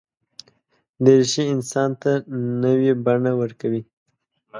دریشي انسان ته نوې بڼه ورکوي.